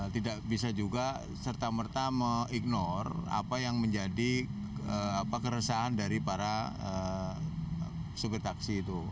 tidak bisa juga serta merta mengignorer apa yang menjadi keresahan dari para supir taksi itu